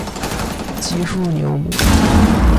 基舒纽姆。